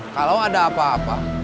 kalau ada apa apa